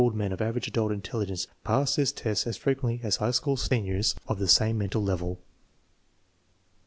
XIV, 6 321 schooled men of " average adult " intelligence pass this test as frequently as high school seniors of the same mental level.